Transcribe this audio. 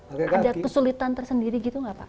ada kesulitan tersendiri gitu nggak pak